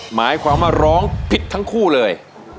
หมายความว่าร้องผิดทั้งคู่เลย